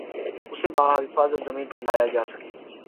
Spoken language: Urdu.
اسے بحفاظت زمین پر لایا جاسکے